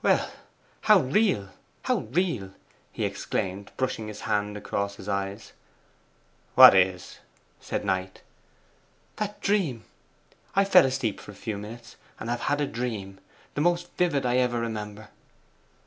'Well, how real, how real!' he exclaimed, brushing his hand across his eyes. 'What is?' said Knight. 'That dream. I fell asleep for a few minutes, and have had a dream the most vivid I ever remember.